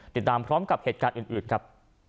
ติดตามพร้อมกับเหตุการณ์อื่นครับ